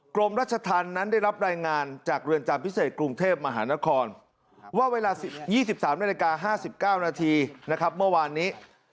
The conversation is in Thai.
กรมรัชธรรมนั้นได้รับรายงานจากเรือนจำพิเศษกรุงเทพมหานครว่าเวลา๒๓นาฬิกา๕๙นาทีนะครับเมื่อวานนี้